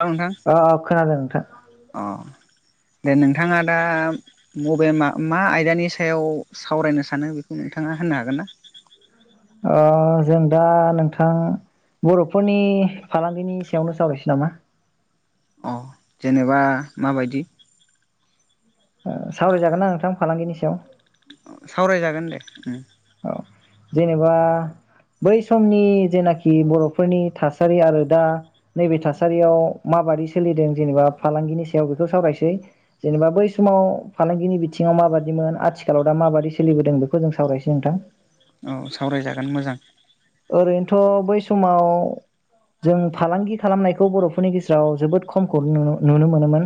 औ नोंथां अ अ खोनादों नोंथां अ दे नोंथाङा दा बबे मा मा आयदानि सायाव सावरायनो सानो बेखौ नोंथाङा होननो हागोन ना? ओ जों दा नोंथां बर'फोरनि फालांगिनि सायावनो सावरायसै नामा अ जेनेबा माबायदि? ओ सावरायजागोनना नोंथां फालांगिनि सायाव? सावरायजागोन दे उम अ जेनेबा आरो दा नैबे थासारियाव माबादि सोलिदों जेनेबा फालांगिनि सायाव बेखौ सावरायसै जेनेबा बै समाव फालांगिनि बिथिङाव माबादिमोन आथिखालाव दा माबादि सोलिबोदों बे खौ जों सावरायनो सै औ सावरायजागोन मोजां ओरैनोथ' बै समाव जों फालांगि खालामनायखौ बर'फोरनि गेजेराव जोबोद खमखौ नुनो नुनो मोनोमोन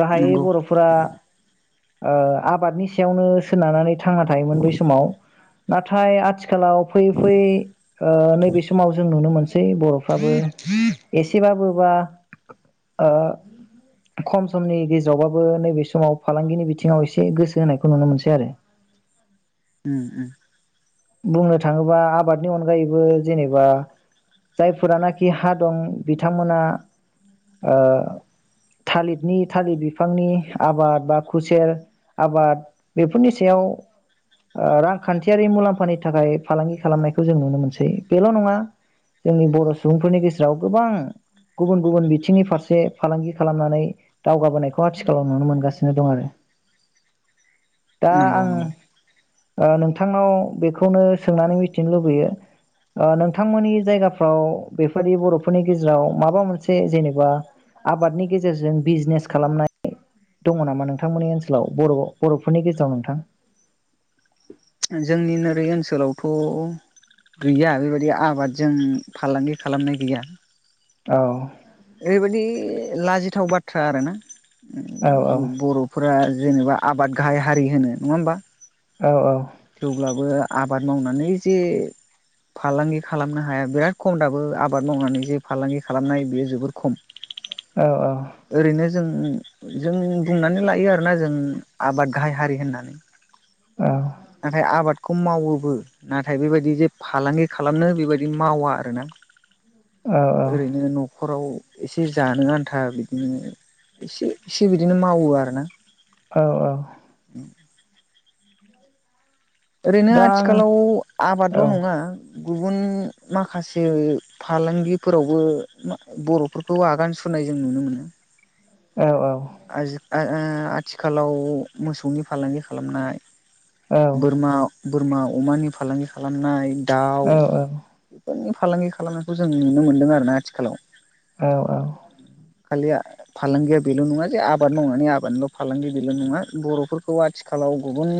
गाहायै नंगौ बर'फोरा ओ आबादनि सायावनो सोनारनानै थांना थायोमोन बै समाव नाथाय आथि आथिखालाव फैयै फैयै ओ नैबे समाव जों नुनो मोनसै सै बर'फ्राबो एसेबाबो बा ओ खम समनि गेजेरावबाबो नैबे समाव फालांगिनि बिथिङाव एसे गोसो होनायखौ नुनो मोनसै आरो उम उम बुंनो थाङोबा आबादनि अनगायैबो जेनेबा जायफोरानाखि हा दं बिथांमोना ओ थालिरनि थालिर बिफांनि आबाद बा खुसेर आबाद बेफोरनि सायाव ओ रांखान्थियारि मुलाम्फा फा थाखाय फालांगि खालामनायखौ जों नुनो मोनसै बेल' नङा जोंनि बर' सुबुंफोरनि गेजेराव गोबां गुबुन गुबुन बिथिंनि फारसे फालांगि खालामनानै दावगाबोनायखौ आथिखालाव नुनो मोनगासिनो दं आरो दा नंगौ आंङो नंगौ ओ नोंथांनाव बे बेखौनो सोंनानै मिथिनो लुबैयो नोंथांमोननि जायगाफ्राव बेफदि बर'फोरनि गेजेराव माबा मोनसे जेनेबा आबादनि गेजेरजों बिजनेस खालामनाय दङ नामा नोंथांमोननि ओनसोलाव बर' बर'फोरनि गेजेराव नोंथां? जोंनिनो ओरै ओनसोलावथ' गैया बेबायदि आबादजों फालांगि खालामनाय गैया। औ ओरैबायदि लाजिथाव बाथ्रा आरोना औ [unintelligible] बर'फोरा जेनेबा आबाद गाहाय हारि होनो नङा होमबा? औ थेवब्लाबो आबाद मावनानै जे फालांगि खालामनो हाया बिराद खम दाबो आबाद मावनानै जे फालांगि खालामनाय बियो जोब बोर खम। औ औ ओरैनो जों जोंनिनो बुंनानै लायो आरोना जों आबाद गाहाय हारि होननानै। औ नाथाय आबाद खौ मावोबो नाथाय बेबायदि जे फालांगि खालामनो बेबायदि मावा आरोना। औ औ ओरैनो नखराव एसे जानो आन्था बि दिनो एसे इसे बिदिनो मावो आरोना। औ औ। ओरैनो दा आं आथिखालाव औ आबादल' नङा गुबुन माखासे फालांगिफोरावबो मा बर'फोरखौ आगान सुरनाय जों नुनो मोनो। औ औ आजि आ ओ आथिखालाव मोसौनि फालांगि खालामनाय औ बोरमा, बोरमा, अमानि फालांगि खालामनाय दाउ औ [unintelligible] फालांगि खालामनायखौ जों नुनो मोन्दों आरोना आथिखालाव। औ औ। खालिआ फालांगिया बेल' नङा जे आबाद मावनानै आबादनिल' फालांगि बेल' नङा बर'फोरखौ आथिखालाव गुबुन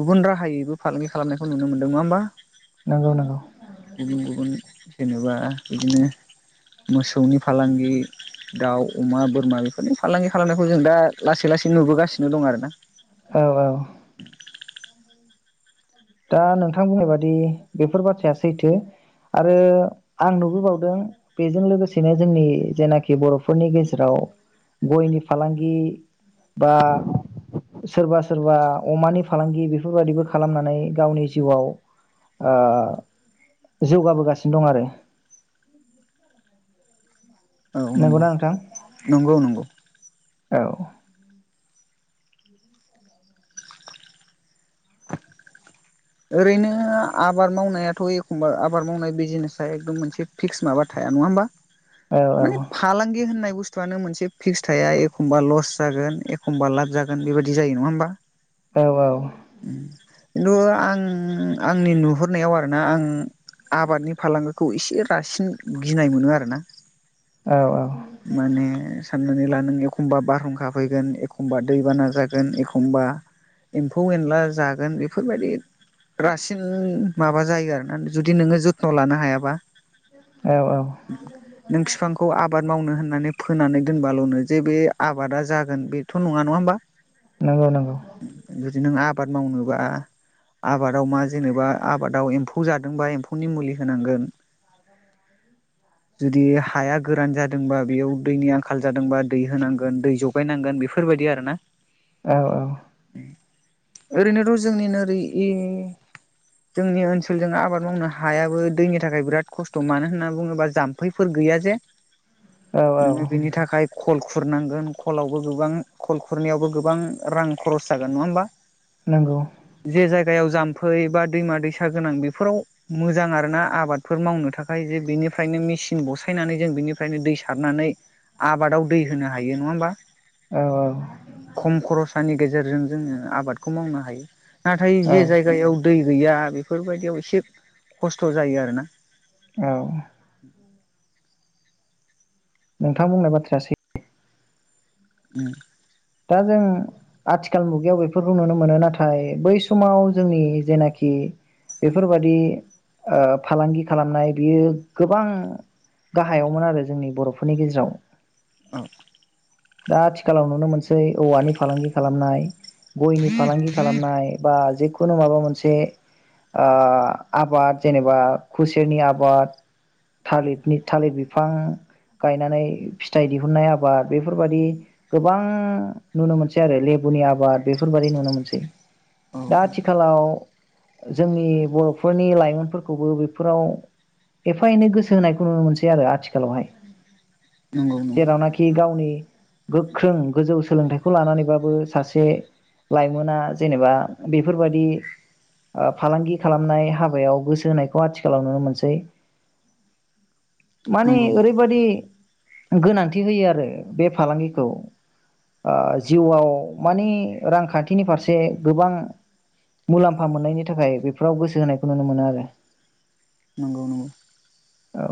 गुबुन राहायैबो फालांगि खालामनायखौ नुनो मोनदों। नङा होमबा? नंगौ नंगौ गुबुन गुबुन जेनेबा बिदिनो मोसौनि फालांगि दाउ, अमा, बोरमा बेफोरनि फालांगि खालामनायखौ जों दा लासै लासै नुबोगासिनो दं आरोना। औ औ। दा नोंथां बुंनाय बादि बेफोर बाथ्राया सैथो आरो आं नुबोबावदों बेजों लोगोसेनो जोंनि जेनाखि बर'फोरनि गेजेराव गयनि फालांगि बा सोरबा सोरबा अमानि फालांगि बेफोरबायादिबो खालामनानै गावनि जिउआव ओ जौगाबोगासिनो दं आरो। औ नंगौ नंगौना नोंथां नंगौ नंगौ। औ। ओरैनो आबाद मावनायाथ' एखमबा आबाद मावनाय बिजनेसा एकदम मोनसे फिक्स माबा थाया नङा होमबा। औ माने फालांगि होननाय बु स्थुआनो मोनसे फिक्स थाया एखमब लस जागोन एखमबा लाब जागोन बेबायदि जायो नङा होमबा। औ औ। [inaudible] आं आंनि नुहुरनायाव आरोना आं आबादनि फालांगिखौ एसे रासिन गिनाय मोनो आरोना। औ औ। माने साननानै ला नों एखमबा बारहुंखा फैगोन एखमबा दैबाना जागोन एखमबा एम्फौ एनला जागोन बेफोरबादि रासिन माबा जायो आरोना जुदि नोङो जथ्न' लानो हायाबा। औ औ नों फिफांखौ आबाद। मावनो होननानै फोनानै दोनबाल'नो जे बे आबादा जागोन बेथ' नङा नङा होमबा। नंगौ नंगौ। बाद मावनोबा आबादाव मा जेनेबा आबादाव एम्फौ जादोंबा एम्फौनि मुलि होनांगोन जुदि हाया गोरान जा दोंबा बेयाव दैनि आंखाल जादोंबा दै होनांगोन दै जगायनांगोन बेफोरबायदि आरो ना औ औ। ओरैनोथ' जोंनि नोरै जोंनि ओनसोलजों आबाद मावनो हायाबो दैनि थाखाय बिराद खस्थ' मानो होनना बुङोब्ला जाम्फैफोर गैया जे। औ नोङो औ बिनि थाखाय। खल खुरनांगोन खलावबो गोबां खल खुरनायावबो गोबां रां खरस जागोन नङा होमबा। नंगौ। गायाव जाम्फै बा दैमा दैसा गोनां बेफोराव मोजां आरोना आबादफोर मावनो थाखाय जे बिनिफ्रायनो मेसिन बसायनानै जों बिनिफ्रायनो दै सारनानै आबादाव दै होनो हायो नङा होमबा। औ औ खम खरसानि। गेजेरजों जोङो आबादखौ मावनो हायो। नाथाय औ जे जायगायाव। दै गैया बेफोरबायदियाव एसे खस्थ' जायो आरोना। औ। नोंथां बुंनाय बाथ्राया सै [unintelligible] दा जों आथिखाल मुगायाव बेफोरखौ नुनो मोनो नाथाय बै समाव जोंनि जेनाखि बेफोरबादि ओ फालांगि खालामनाय बियो गोबां गाहायावमोन आरो जोंनि बर'फोरनि गेजेराव। [unintelligible] दा आथिखालाव नुनो मोनसै। सै औवानि फालांगि खालामनाय गयनि फालांगि खालामनाय बा जेखुनु माबा मोनसे ओ आबाद जेनेबा खुसेरनि आबाद थालिरनि थालिर बिफां गायनानै फिथाइ दिहुननाय आबाद बेफोरबायदि गोबां नुनो मोनसै आरो लेबुनि आबाद बेफोरबायदि नुनो मोनसै। औ दा आथिखालाव। जोंनि बर'फोरनि लाइमोनफोरखौबो बेफोराव एफा एनै गोसो होनायखौ नुनो मोनसै आरो आथिखालावहाय। नंगौ नंगौ जेरावनाखि गावनि। गोख्रों गोजौ। सोलोंथाइखौ लानानैबाबो सासे लाइमोना जेनेबा बेफोरबायदि ओ फालांगि खालामनाय हाबायाव गोसो होनायखौ आथिखालाव नुनो मोनसै। मानि नंगौ ओरैबायदि। गोनांथि होयो आरो बे फालांगिखौ। ओ जिउआव मानि रांखान्थिनि फारसे गोबां मुलाम्फा मोननायनि थाखाय बेफोराव गोसो होनायखौ नुनो मोनो आरो। नंगौ नंगौ। औ।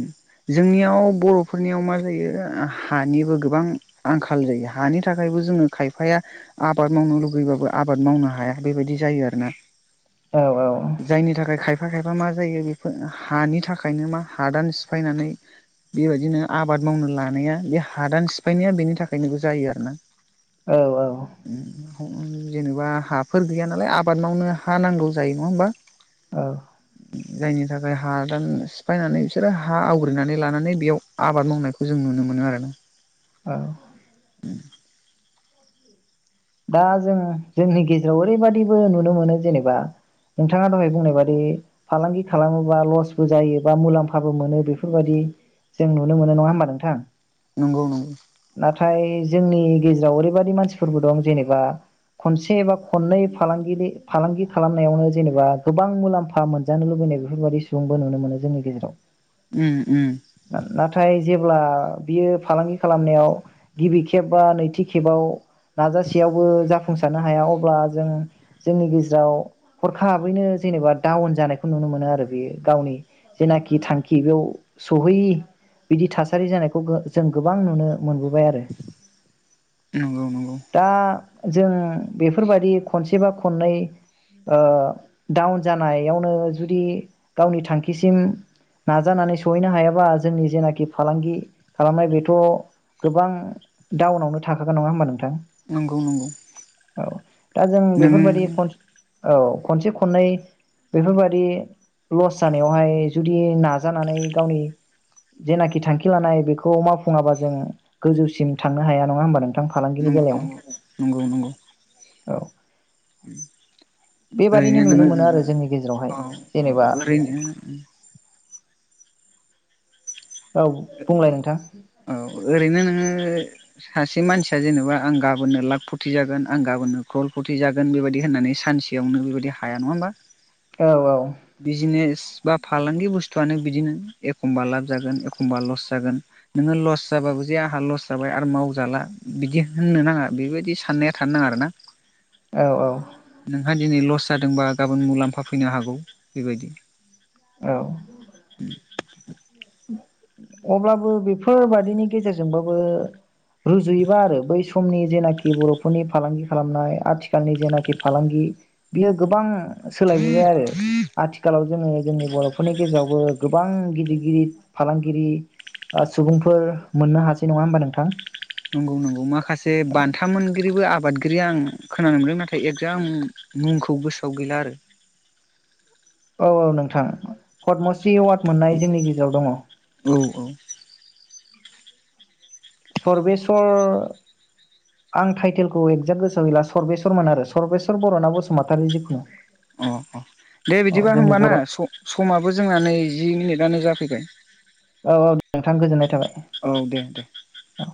ओम जोंनियाव बर'फोरनियाव मा जायो हानिबो गोबां आंखाल जायो हानि थाखायबो जोङो खायफाया आबाद मावनो लुगैबाबो आबाद मावनो हाया बेबायदि जायो आरोना। औ औ जायनि थाखाय औ। खायफा खायफा मा जायो बेफोर हानि थाखायनो मा। हादान सिफायनानै बेबायदिनो आबाद मावनो लानाया बे हादान सिफायनाया बेनि थाखायनोबो जायो आरो ना। औ औ जेनेबा हाफोर गैया नालाय आबाद मावनो हा नांगौ जायो। नङा होमबा? औ जायनि थाखाय हादान सि फायनानै बिसोरो हा आवग्रिनानै लानानै बेयाव आबाद मावनायखौ जों नुनो मोनो आरो ना। औ [inaudible] दा जों जोंनि गेजेराव ओरैबादिबो नुनो मोनो जेनेबा नोंथाङा दहाय बुंनाय बादि फालांगि खालामोबा लसबो जायो बा मुलाम्फाबो मोनो बेफोरबायदि जों नुनो मोनो नङा होमबा नोंथां। नंगौ नंगौ नाथाय जोंनि गेजेराव ओरैबादि मानसिफोरबो दं जेनेबा खनसे बा खननै फालांगिनि फालांगि खालामनायावनो जेनेबा गोबां मुलाम्फा मोनजानो लुबैनाय बेफोरबायदि सुबुंबो नुनो मोनो जोंनि गेजेराव। ओम ओम नाथाय जेब्ला बियो फालांगि खालामनायाव गिबि खेब बा नैथि खेबाव नाजा सेयावबो जाफुंसारनो हाया अब्ला जों जोंनि गेजेराव हरखाबैनो जेनेबा डाउन जानायखौ नुनो मोनो आरो बेयो गावनि जेनाखि थांखि बेयाव सहैयि बिदि थासारि जानायखौ गो जों गोबां नुनो मोनबोबाय आरो नंगौ नंगौ दा जों बेफोरबायदि खनसे बा खननै ओ डाउन जानायावनो जुदि गावनि थांखिसिम नाजानानै सहैनो हायाबा जोंनि जेनाखि फालांगि खालामनाय बेथ' गोबां डाउनावनो थाखागोन। नङा होमबा नोंथां? नंगौ नंगौ औ दा जों बेफोरबायदि औ खनसे खननै बेफोरबादि लस जानायावहाय जुदि नाजानानै गावनि जेनाखि थांखि लानाय बेखौ मावफुङाबा जों गोजौसिम थांनो हाया नङा होमबा नों थां नंगौ नों फालांगिनि नंगौ बेलायाव। नंगौ नंगौ नंगौ औ बेबादिनो ओरैनो नुनो नोङो मोनो आरो जोंनि गेजेरावहाय औ औ जेनेबा ओरैनो औ बुंलाय नोंथां। ओ सासे मानसिया जेनेबा आं गाबोननो लाख फथि जागोन आं गाबोननो क्रल फथि जागोन बेबायदि होननानै सानसेयावनो बेबायदि हाया। नङा होमबा? औ औ बिजनेस बा फालांगि बुस्थुआनो बिदिनो एखमबा लाब जागोन एखमबा लस जागोन नोङो लस जाबाबो जे आंहा लस जाबाय आरो मावजाला बिदि होननो नाङा बेबायदि साननाया थानो नाङा आरोना‌। औ औ दिनै लस जादोंबा गाबोन मुलाम्फा फैनो हागौ। बेबायदि औ [inaudible] अब्लाबो बेफोरबादिनि गेजेरजोंबाबो रुजुयोबा आरो बै समनि जेनाखि बर'फोरनि फालांगि खालामनाय आथिखालनि जेनाखि फालांगि बियो गोबां सोलायबोबाय आरो आथिखालाव जोङो जोंनि बर'फोरनि गेजेरावबो गोबां गिदिर गिदिर फालांगिरि बा सुबुंफोर मोननो हासै। नङा होमबा नोंथां? नंगौ नंगौ माखासे बान्था मोनगिरिबो आबाद गिरि आं खोनानो मोनदों नाथाय एकजाग आं मुंखौ गोसोआव गैला आरो औ औ नोंथां। पदमश्री एवार्ड मोननाय जोंनि गेजेराव दङ। औ सरबेस्वर आं टाइटेलखौ एक्जेक्ट गोसोआव गैला अ अ दे औ बिदिबा जोंनि होमब ना बर' औ समाबो जोंना नै जि मिनिटानो जा सिगोन औ औ नोंथां गोजोननाय थाबाय औ दे दे औ